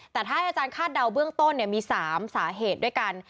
แต่ถ้าให้อาจารย์คาดเดาเบื้องต้นมี๓สาเหตุด้วยกัน